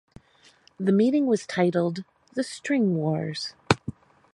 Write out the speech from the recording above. The meeting was titled "The String Wars".